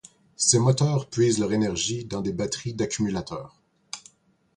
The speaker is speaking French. Ces moteurs puisent leur énergie dans des batteries d'accumulateurs.